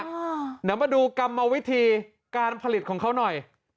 เดี๋ยวมาดูกรรมวิธีการผลิตของเขาหน่อย